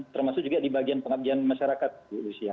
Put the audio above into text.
termasuk juga di bagian pengabdian masyarakat bu lucia